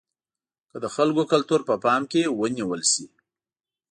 که د خلکو کلتور په پام کې ونیول شي.